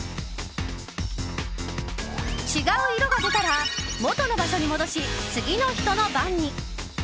違う色が出たら元の場所に戻し次の人の番に。